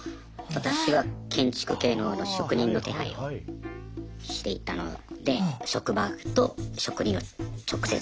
私は建築系の職人の手配をしていたので職場と職人を直接。